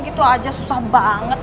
gitu aja susah banget